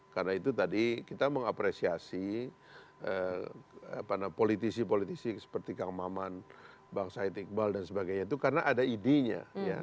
karena itu tadi kita mengapresiasi politisi politisi seperti kang maman bang said iqbal dan sebagainya itu karena ada idenya